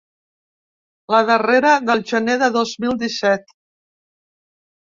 La darrera, del gener de dos mil disset.